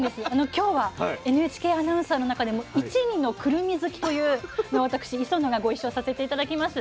今日はＮＨＫアナウンサーの中でも一二のくるみ好きという私礒野がご一緒させて頂きます。